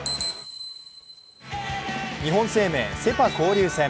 日本生命セ・パ交流戦。